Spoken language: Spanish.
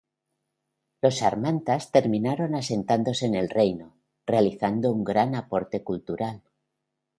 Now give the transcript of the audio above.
Los sármatas terminaron asentándose en el reino, realizando un gran aporte cultural.